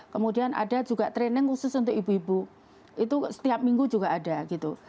kemudian ada juga training khusus untuk ibu ibu itu setiap minggu juga ada gitu